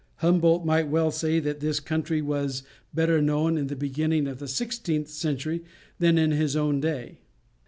Humboldt might well say that this country was better known in the beginning of the sixteenth century than in his own day.